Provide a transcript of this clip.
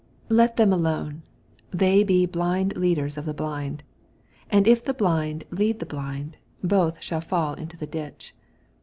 14 Let them alone: they be blind leaders of the blind. And if the blind lead the blind, both shall fkll into the ditch.